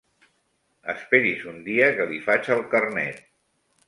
Esperi's un dia que li faig el carnet.